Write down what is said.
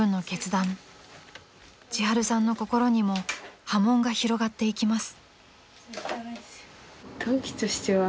［ちはるさんの心にも波紋が広がっていきます］